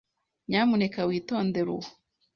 Nyamuneka witondere uwo.